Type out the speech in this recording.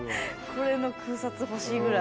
これの空撮欲しいぐらい。